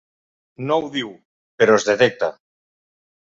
No ho diu, però es detecta.